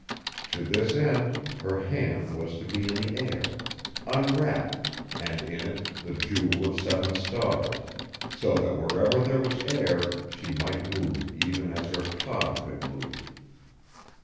To this end, her hand was to be in the air—'unwrapped'—and in it the Jewel of Seven Stars, so that wherever there was air she might move even as her Ka could move!